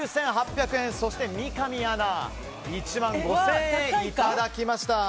そして三上アナが１万５０００円いただきました。